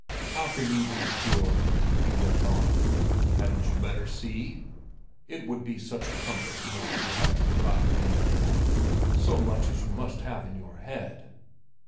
"How can you be sure?" he went on. "Hadn't you better see? It would be such a comfort to know that you hadn't forgotten anything—so much as you must have in your head."